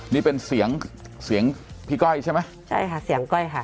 นี่เป็นเสียงเสียงพี่ก้อยใช่ไหมใช่ค่ะเสียงก้อยค่ะ